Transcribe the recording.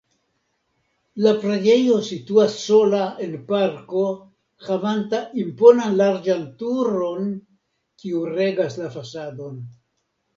La preĝejo situas sola en parko havanta imponan larĝan turon, kiu regas la fasadon.